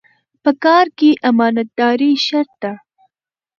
په کار کې امانتداري شرط ده.